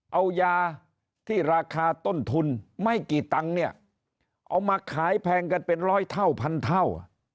เอายาที่ราคาต้นทุนไม่กี่ตังค์เนี่ยเอามาขายแพงกันเป็นร้อยเท่าพันเท่า